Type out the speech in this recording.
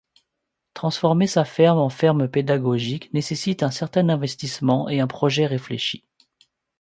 Transformer sa ferme en ferme pédagogique nécessite un certain investissement et un projet réfléchi.